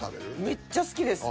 めっちゃ好きです。